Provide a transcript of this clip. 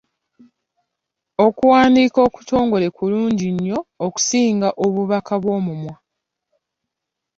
Okuwandiika okutongole kulungi nnyo okusinga obubaka bw'omumwa.